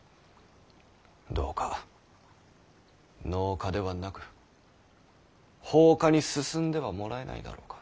どうか農科ではなく法科に進んではもらえないだろうか。